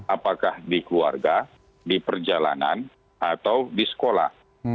apakah di keluarga di perjalanan atau di sekolah